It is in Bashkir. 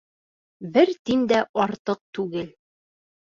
Бер тин дә артыҡ түгел!